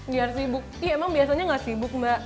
biar sibuk iya emang biasanya gak sibuk mbak